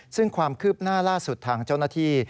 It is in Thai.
ซึ่งความคืบหน้าล่าสุดทางเจ้าหน้าที่